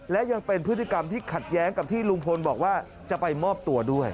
และยังเป็นพฤติกรรมที่ขัดแย้งกับที่ลุงพลบอกว่าจะไปมอบตัวด้วย